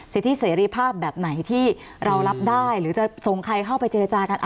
สิทธิเสรีภาพแบบไหนที่เรารับได้หรือจะส่งใครเข้าไปเจรจากัน